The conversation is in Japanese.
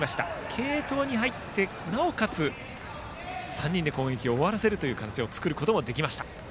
継投に入って、なおかつ３人で攻撃を終わらせる形を作ることができました。